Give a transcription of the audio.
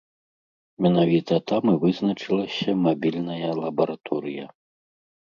Менавіта там і вызначылася мабільная лабараторыя.